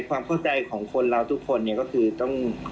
ความเข้าใจของคนเราทุกคนเนี่ยก็คือต้อง